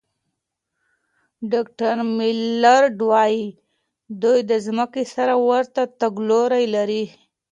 ډاکټر میلرډ وايي، دوی د ځمکې سره ورته تګلوري لري.